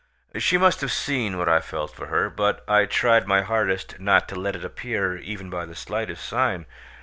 She must have seen what I felt for her, but I tried my hardest not to let it appear even by the slightest sign.